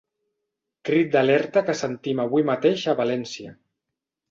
Crit d'alerta que sentim avui mateix a València.